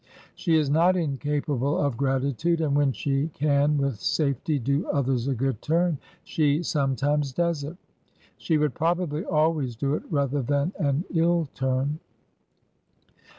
She is not incapable of gratitude, and when she can with safety do others a good turn she some times does it; she woidd probably always do it rather than an ill turn.